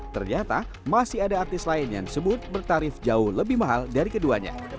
ternyata masih ada artis lain yang disebut bertarif jauh lebih mahal dari keduanya